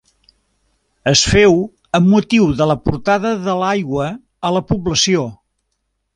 Es féu amb motiu de la portada de l'aigua a la població.